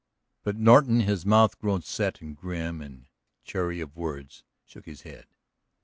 But Norton, his mouth grown set and grim and chary of words, shook his head.